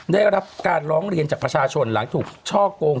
ได้รับการร้องเรียนจากประชาชนหลังถูกช่อกง